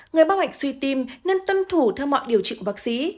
người bác hoạch suy tìm nên tuân thủ theo mọi điều trị của bác sĩ